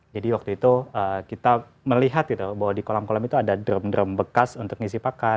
jadi waktu itu kita melihat gitu bahwa di kolam kolam itu ada drum drum bekas untuk mengisi pakan